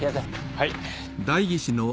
はい。